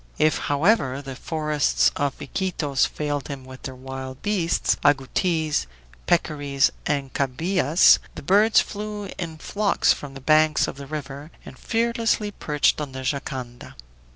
If, however, the forests of Iquitos failed him with their wild beasts, agoutis, peccaries, and cabiais, the birds flew in flocks from the banks of the river and fearlessly perched on the jangada.